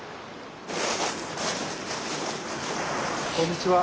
こんにちは。